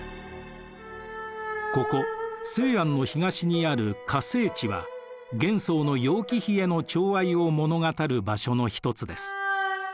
ここ西安の東にある華清池は玄宗の楊貴妃へのちょう愛を物語る場所の一つです。